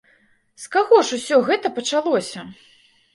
З каго ж усё гэта пачалося?